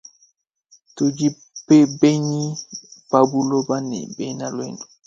Tudi benyi pa buloba ne bena luendu.